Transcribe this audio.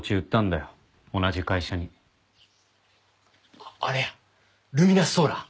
あっあれやルミナスソーラー？